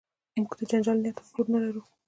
موږ د جنجال نیت او هوډ نه لرو.